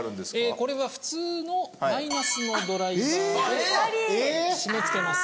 これは普通のマイナスのドライバーで締めつけます。